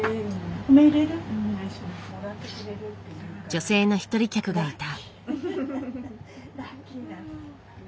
女性の一人客がいた。